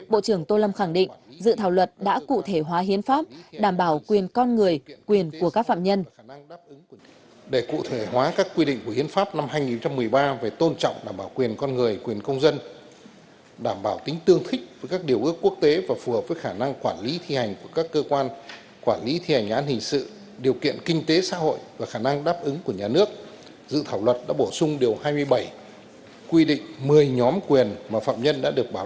bộ trưởng tô lâm khẳng định dự thảo luật đã cụ thể hóa hiến pháp đảm bảo quyền con người quyền của các phạm nhân